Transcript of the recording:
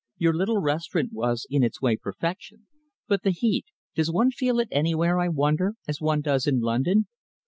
Your little restaurant was in its way perfection, but the heat does one feel it anywhere, I wonder, as one does in London?"